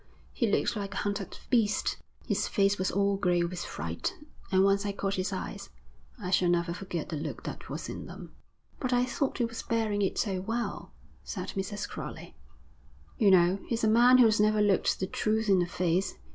He looked like a hunted beast, his face was all grey with fright, and once I caught his eyes. I shall never forget the look that was in them.' 'But I thought he was bearing it so well,' said Mrs. Crowley. 'You know, he's a man who's never looked the truth in the face.